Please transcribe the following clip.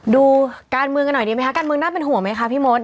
ดูการเมืองกันหน่อยดีไหมคะการเมืองน่าเป็นห่วงไหมคะพี่มด